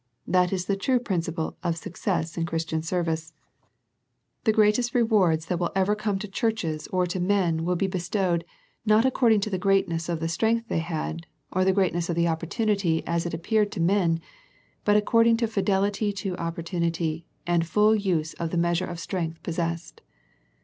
That is the true principle of success in Christian service. The greatest re The Philadelphia Letter 169 wards that will ever come to churches or to men will be bestowed, not according to the greatness of the strength they had, or the greatness of the opportunit}^ as it appeared to men, but according to fidelity to opportunity, and full use of the measure of strength pos sessed.